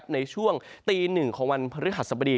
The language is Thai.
ในช่วงตี๑ของวันภรรยาศบดี